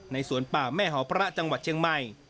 สวนป่าแม่หอพระจังหวัดเชียงใหม่